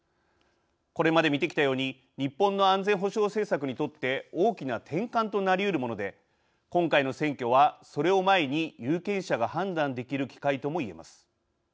これまで見てきたように日本の安全保障政策にとって大きな転換となりうるもので今回の選挙はそれを前に有権者が判断できる機会ともいえます。